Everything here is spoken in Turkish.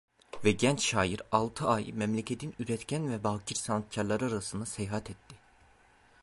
Ve genç şair altı ay memleketin üretken ve bakir sanatkarları arasında seyahat etti.